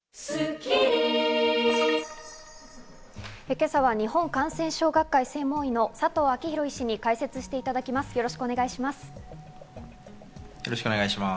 今朝は日本感染症学会・専門医の佐藤昭裕医師に解説していただきます、よろしくお願いします。